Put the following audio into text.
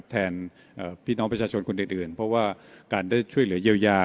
แทนพี่น้องประชาชนคนอื่นเพราะว่าการได้ช่วยเหลือเยียวยา